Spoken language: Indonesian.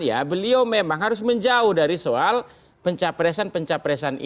nanti kalau kebetulan ya pak jokowi ini ya beliau harus menjauh dari soal pencapresan pencapresan ini